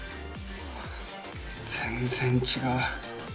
全然違う。